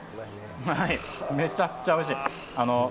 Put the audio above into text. めちゃくちゃおいしい。